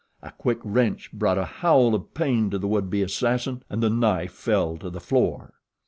A quick wrench brought a howl of pain to the would be assassin, and the knife fell to the floor.